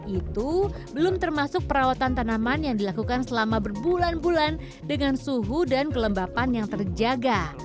itu belum termasuk perawatan tanaman yang dilakukan selama berbulan bulan dengan suhu dan kelembapan yang terjaga